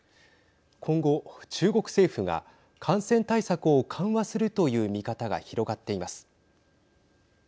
今後、中国政府が感染対策を緩和するという見方が広がっています。